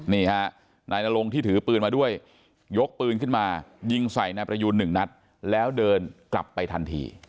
นี่ฮะนายนรงที่ถือปืนมาด้วยยกปืนขึ้นมายิงใส่นายประยูนหนึ่งนัดแล้วเดินกลับไปทันที